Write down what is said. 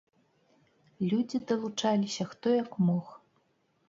Людзі далучаліся, хто як мог.